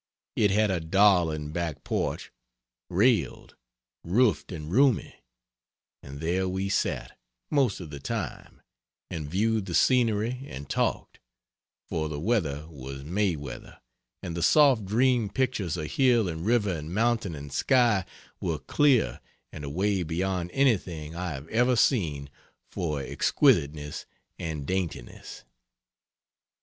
It had a darling back porch railed, roofed and roomy; and there we sat, most of the time, and viewed the scenery and talked, for the weather was May weather, and the soft dream pictures of hill and river and mountain and sky were clear and away beyond anything I have ever seen for exquisiteness and daintiness.